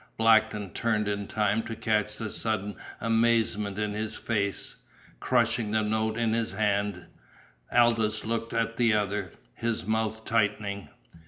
Blackton turned in time to catch the sudden amazement in his face. Crushing the note in his hand, Aldous looked at the other, his mouth tightening.